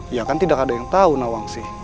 ya kan tidak ada yang tau nawangsi